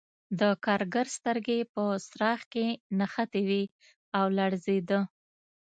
د کارګر سترګې په څراغ کې نښتې وې او لړزېده